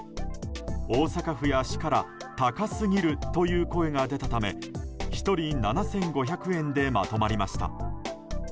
大阪府や市から高すぎるという声が出たため１人７５００円でまとまりました。